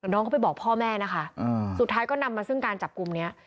น้องก็ไปบอกพ่อแม่นะคะสุดท้ายก็นำมาซึ่งการจับกลุ่มนี้